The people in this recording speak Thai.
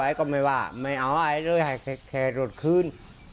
ไอ้ก็ไม่ว่าไม่เอาไอ้เลยให้แต่โรดคืน